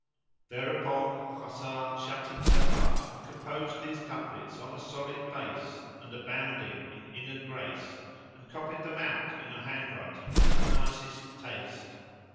Thereupon Hasan shut himself up and composed these couplets on a solid base and abounding in inner grace and copies them out in a hand writing of the nicest taste.